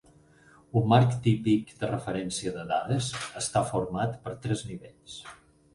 Un marc típic de referència de dades està format per tres nivells.